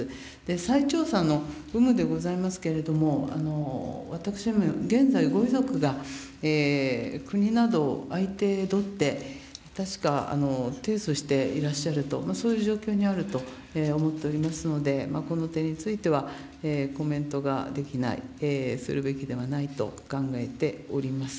再調査の有無でございますけれども、私、現在、ご遺族が国などを相手取って、確か、提訴していらっしゃると、そういう状況にあると思っておりますので、この点については、コメントができない、するべきではないと考えております。